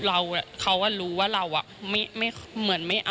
อ่าเดี๋ยวฟองดูนะครับไม่เคยพูดนะครับ